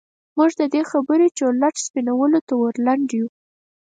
موږ د دې خبرې چورلټ سپينولو ته ور لنډ يوو.